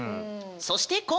そして今回！